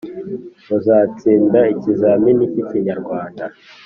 muzatsinda ikizamini k’ikinyarwanda